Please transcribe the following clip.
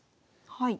はい。